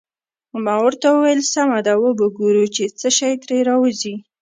ما ورته وویل: سمه ده، وبه ګورو چې څه شي ترې راوزي.